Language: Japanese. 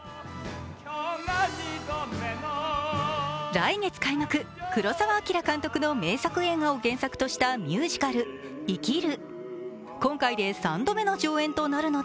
来月開幕、黒澤明監督の名作映画を原作としたミュージカル「生きる」。